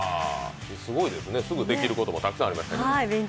すごいですね、すぐできることもたくさんあるんですね。